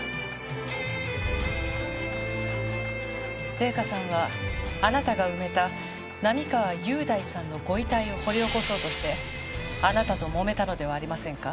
礼香さんはあなたが埋めた並河優大さんのご遺体を掘り起こそうとしてあなたともめたのではありませんか？